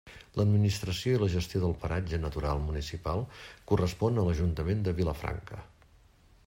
L'administració i la gestió del paratge natural municipal correspon a l'Ajuntament de Vilafranca.